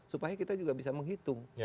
supaya kita juga bisa menghitung